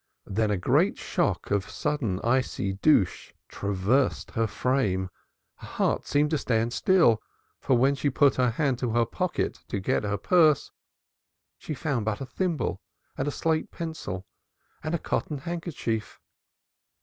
Then a great shock as of a sudden icy douche traversed her frame, her heart seemed to stand still. For when she put her hand to her pocket to get her purse, she found but a thimble and a slate pencil and a cotton handkerchief.